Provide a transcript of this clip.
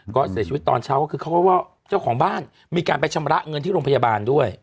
ก็เสียชีวิตตอนเช้าก็คือเขาก็ว่าเจ้าของบ้านมีการไปชำระเงินที่โรงพยาบาลด้วย